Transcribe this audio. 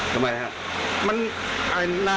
ทำไมครับ